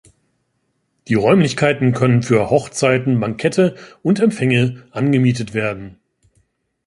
Die Räumlichkeiten können für Hochzeiten, Bankette und Empfänge angemietet werden.